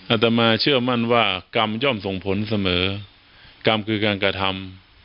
อาตมาเชื่อมั่นว่ากรรมย่อมส่งผลเสมอกรรมคือการกระทำ